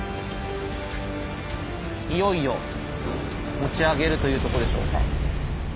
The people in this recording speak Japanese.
いよいよ持ち上げるというとこでしょうか。